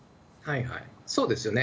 そうですよね。